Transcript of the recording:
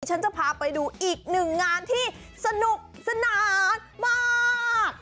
ฉันจะพาไปดูอีกหนึ่งงานที่สนุกสนานมาก